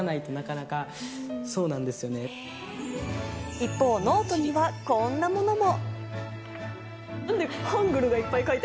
一方、ノートには、こんなものも。